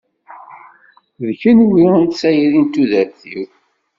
D kenwi i d tayri n tudert-iw.